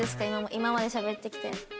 今までしゃべってきて。